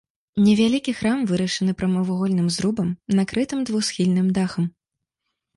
Невялікі храм вырашаны прамавугольным зрубам, накрытым двухсхільным дахам.